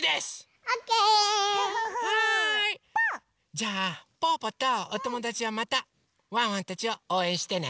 じゃあぽぅぽとおともだちはまたワンワンたちをおうえんしてね！